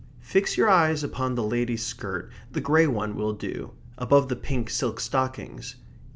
Fix your eyes upon the lady's skirt; the grey one will do above the pink silk stockings.